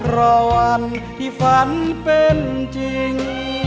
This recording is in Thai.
รอวันที่ฝันเป็นจริง